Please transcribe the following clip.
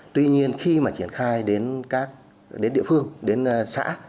tuy nhiên khi mà triển khai đến các địa phương đến xã